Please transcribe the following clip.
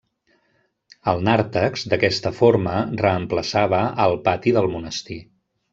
El nàrtex, d'aquesta forma reemplaçava al pati del monestir.